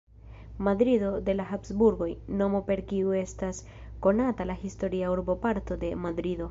Madrido de la Habsburgoj, nomo per kiu estas konata la historia urboparto de Madrido.